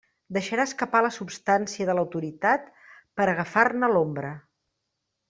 Deixarà escapar la substància de l'autoritat per a agafar-ne l'ombra.